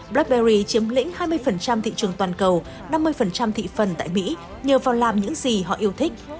blackberry chiếm lĩnh hai mươi thị trường toàn cầu năm mươi thị phần tại mỹ nhờ vào làm những gì họ yêu thích